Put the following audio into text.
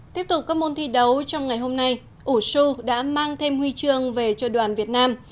tiếp tục các môn thi đấu trong ngày hôm nay ủ đã mang thêm huy chương về cho đoàn việt nam